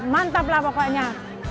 mantap lah pokoknya